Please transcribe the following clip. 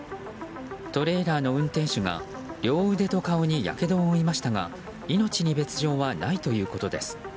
トレーラーの運転手が両腕と顔にやけどを負いましたが命に別条はないということです。